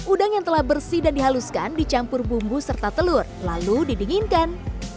udang yang telah bersih dan dihaluskan dicampur bumbu serta telur lalu didinginkan